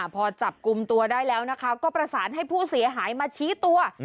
พอจับกลุ่มตัวได้แล้วนะคะก็ประสานให้ผู้เสียหายมาชี้ตัว